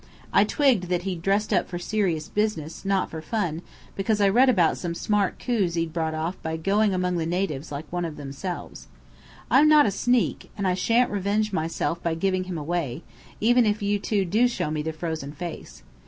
I twigged that he'd dressed up for serious business, not for fun, because I read about some smart coups he'd brought off by going among the natives like one of themselves. I'm not a sneak, and I shan't revenge myself by giving him away, even if you two do show me the frozen face.